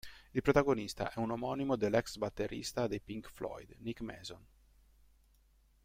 Il protagonista è un omonimo dell'ex batterista dei Pink Floyd, Nick Mason.